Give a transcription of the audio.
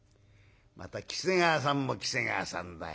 また喜瀬川さんも喜瀬川さんだよ。